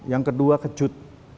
yang kedua kejut